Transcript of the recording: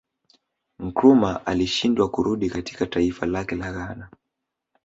Nkrumah alishindwa kurudi katika taifa lake la Ghana